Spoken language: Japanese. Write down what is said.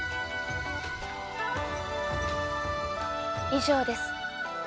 以上です。